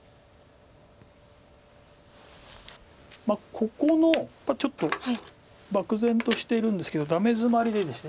ここのちょっと漠然としてるんですけどダメヅマリでですね